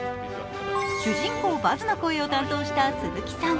主人公・バズの声を担当した鈴木さん。